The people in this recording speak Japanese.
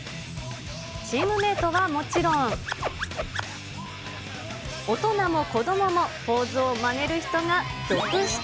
チームメートはもちろん、大人も子どももポーズをまねる人が続出。